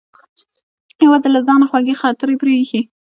یوازې له ځانه خوږې خاطرې پرې ایښې.